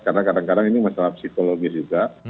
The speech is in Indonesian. karena kadang kadang ini masalah psikologis juga